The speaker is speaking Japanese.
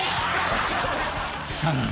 ［さらに］